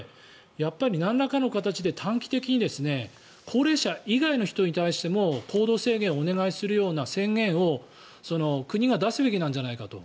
やっぱりなんらかの形で短期的に高齢者以外の人に対しても行動制限をお願いするような宣言を国が出すべきなんじゃないかと。